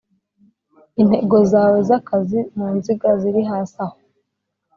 intego zawe z akazi mu nziga ziri hasi aho